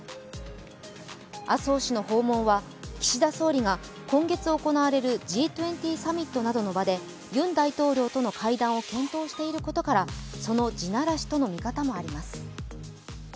麻生氏の訪問は岸田総理が今月行われるＧ２０サミットなどの場でユン大統領との会談を検討していることからその地ならしとの見方もあります。